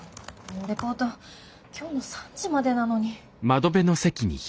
レポート今日の３時までなのに。